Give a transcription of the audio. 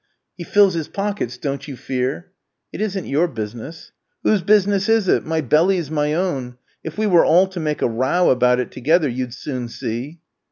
"He fills his pockets, don't you fear!" "It isn't your business." "Whose business is it? My belly's my own. If we were all to make a row about it together, you'd soon see."